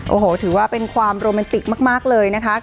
โอ้โหถือว่าเป็นความโรแมนติกมากเลยนะคะ